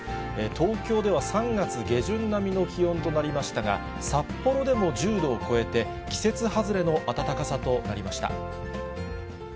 東京では３月下旬並みの気温となりましたが、札幌でも１０度を超えて、季節外れの暖かさとなりました。